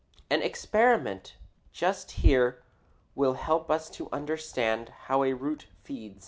An experiment just here will help us to understand how a root feeds.